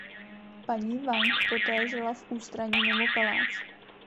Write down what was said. Paní Wang poté žila v ústraní mimo palác.